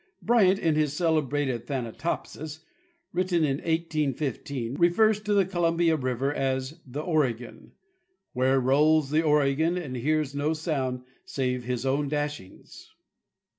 Bryant in his celebrated " Thanatopsis," written in 1815, refers to the Columbia river as the Oregon: " Where rolls the Oregon, and hears no sound save his own dashings."